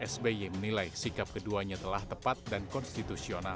sby menilai sikap keduanya telah tepat dan konstitusional